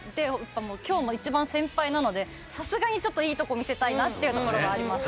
今日も一番先輩なのでさすがにいいとこ見せたいなっていうところはあります。